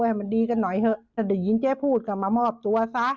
ให้มันดีกันหน่อยเถอะถ้าได้ยินเจ๊พูดก็มามอบตัวซะ